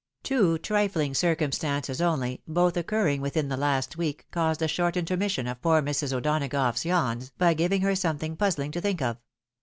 Two trifling circumstances only, both occurring within the last week, caused a short intermission of poor Mrs. O'Donagough's yawns, by giving her something puzzling to think of.